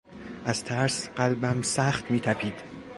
از ترس قلبم سخت میتپید.